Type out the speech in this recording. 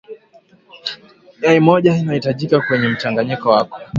Yai moja litahitajika kwenye mchanganyiko wako